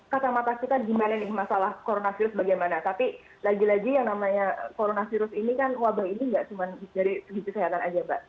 kata kata kita gimana nih masalah corona virus bagaimana tapi lagi lagi yang namanya corona virus ini kan wabah ini gak cuma dari segi kesehatan aja mbak